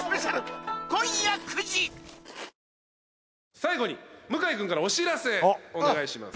最後に向井君からお知らせお願いします